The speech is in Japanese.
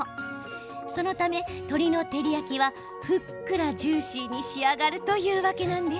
そのため、鶏の照り焼きはふっくらジューシーに仕上がるというわけなんです。